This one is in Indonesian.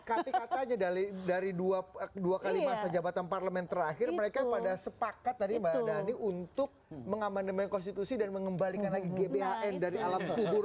tapi katanya dari dua kali masa jabatan parlemen terakhir mereka pada sepakat tadi mbak dhani untuk mengamandemen konstitusi dan mengembalikan lagi gbhn dari alam kubur